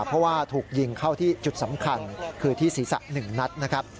เพราะว่าถูกยิงเข้าที่จุดสำคัญคือที่ศีรษะ๑นัดนะครับ